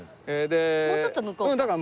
もうちょっと向こうか。